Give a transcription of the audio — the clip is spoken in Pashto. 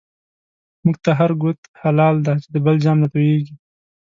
مونږ ته هر گوت هلایل دی، چی د بل جام نه توییږی